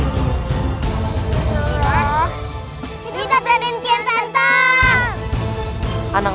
kita berjantian santang